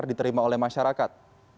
atau diterima oleh masyarakat